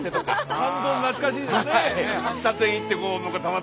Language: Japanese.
半ドン懐かしいですね！